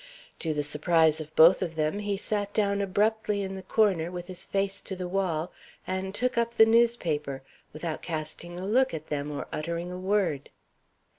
To the surprise of both of them, he sat down abruptly in the corner, with his face to the wall, and took up the newspaper, without casting a look at them or uttering a word.